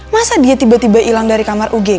masa dia tiba tiba hilang dari kamar ug